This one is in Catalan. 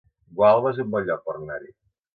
Gualba es un bon lloc per anar-hi